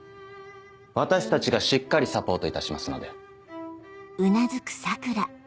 私たちがしっかりサポートいたしますので。